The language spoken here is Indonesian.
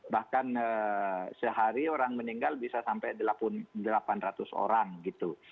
bahkan sehari orang meninggal bisa sampai delapan ratus orang gitu